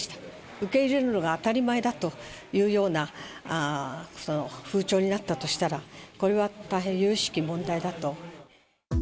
受け入れるのが当たり前だというような風潮になったとしたら、これは大変ゆゆしき問題だと。